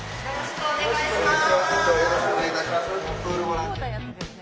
よろしくお願いします。